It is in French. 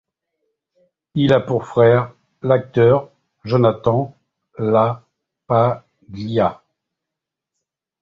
Il a pour frère, l'acteur Jonathan LaPaglia.